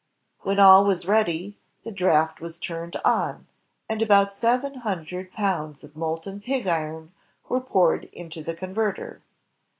When all was ready, the draft was turned on, and about seven hundred pounds of molten pig iron were poured into the converter.